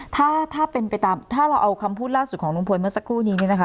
ถ้าถ้าเป็นไปตามถ้าเราเอาคำพูดล่าสุดของลุงพลเมื่อสักครู่นี้เนี่ยนะคะ